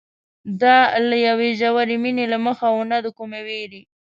دا له یوې ژورې مینې له مخې وه نه د کومې وېرې.